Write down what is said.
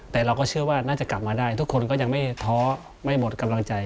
แต่เราก็เชื่อว่าน่าจะกลับมาได้ทุกคนก็ยังไม่ท้อไม่หมดกำลังใจ